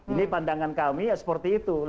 ini pandangan kami ya seperti itu